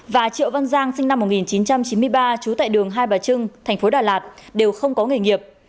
và triệu văn giang sinh năm một nghìn chín trăm chín mươi ba trú tại đường hai bà trưng thành phố đà lạt đều không có nghề nghiệp